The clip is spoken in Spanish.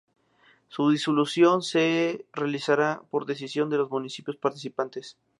Su disolución solo se realizará por decisión de los municipios participantes.